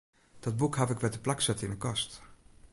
Dat boek haw ik wer teplak set yn 'e kast.